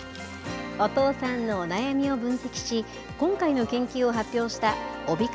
お父さんの悩みを分析し、今回の研究を発表した帯包